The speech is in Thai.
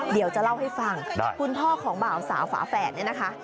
เดี๋ยวจะเล่าให้ฟังคุณพ่อของบ่าวสาวฝาแฝดเนี่ยนะคะ